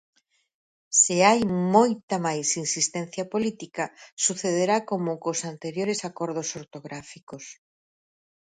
Se hai moita máis insistencia política sucederá como cos anteriores acordos ortográficos.